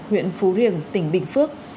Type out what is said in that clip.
huyện phú riềng tỉnh bình phước